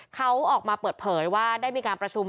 เขาออกมาเปิดเผยว่าได้มีการประชุม